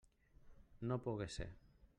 No pogué ser.